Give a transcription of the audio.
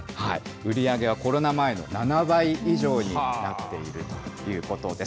売り上げはコロナ前の７倍以上になっているということです。